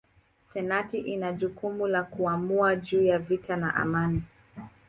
Senati ina jukumu la kuamua juu ya vita na amani.